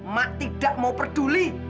mak tidak mau peduli